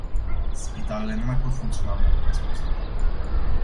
Spitalele nu mai pot funcționa în mod corespunzător.